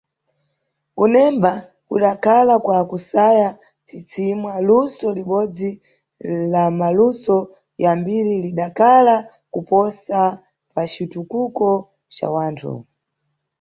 Kunemba kudakhala, kwa kusaya msisimwa, luso libodzi la maluso ya mbiri lidakhala kuposa pa citukuko ca wanthu.